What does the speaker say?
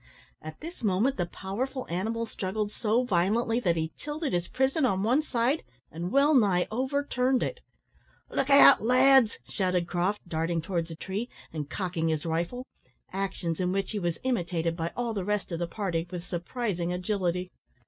At this moment the powerful animal struggled so violently that he tilted his prison on one side, and well nigh overturned it. "Look out, lads," shouted Croft, darting towards a tree, and cocking his rifle, actions in which he was imitated by all the rest of the party, with surprising agility.